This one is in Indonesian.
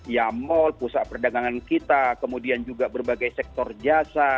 ya mal pusat perdagangan kita kemudian juga berbagai sektor jasa